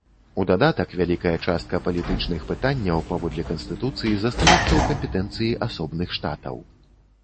У дадатак, вялікая частка палітычных пытанняў, паводле канстытуцыі, застаецца ў кампетэнцыі асобных штатаў.